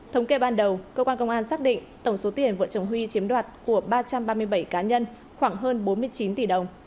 thống kê ban đầu cơ quan công an xác định tổng số tiền vợ chồng huy chiếm đoạt của ba trăm ba mươi bảy cá nhân khoảng hơn bốn mươi chín tỷ đồng